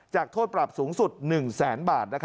จากโทษปรับสูงสุด๑๐๐๐๐๐บาท